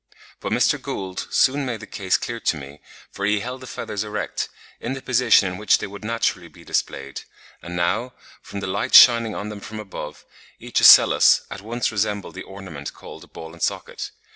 But Mr. Gould soon made the case clear to me, for he held the feathers erect, in the position in which they would naturally be displayed, and now, from the light shining on them from above, each ocellus at once resembled the ornament called a ball and socket.